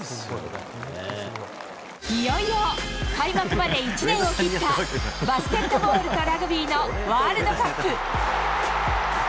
いよいよ開幕まで１年を切った、バスケットボールとラグビーのワールドカップ。